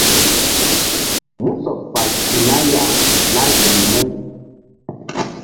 Mú sɔɓ fal ti nah ya nah yih mu.